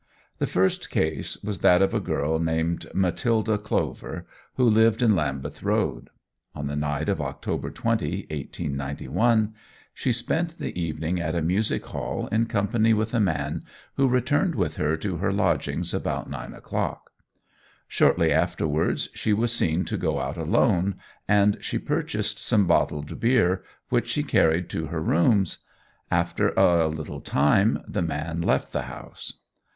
The first case was that of a girl named Matilda Clover, who lived in Lambeth Road. On the night of October 20, 1891, she spent the evening at a music hall in company with a man, who returned with her to her lodgings about nine o'clock. Shortly afterwards she was seen to go out alone, and she purchased some bottled beer, which she carried to her rooms. After a little time the man left the house.